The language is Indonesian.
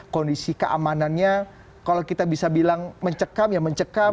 kondisi keamanannya kalau kita bisa bilang mencekam ya mencekam